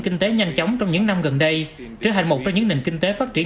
kinh tế nhanh chóng trong những năm gần đây trở thành một trong những nền kinh tế phát triển